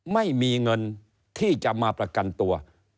ไม่มีเงินที่จะมาประกันตัว